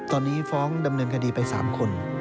ตอนนี้ฟ้องดำเนินคดีไป๓คน